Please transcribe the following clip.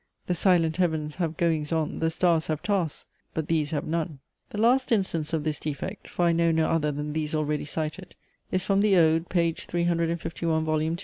The silent Heavens have goings on The stars have tasks! but these have none!" The last instance of this defect,(for I know no other than these already cited) is from the Ode, page 351, vol. II.